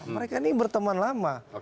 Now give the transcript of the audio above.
mereka ini berteman lama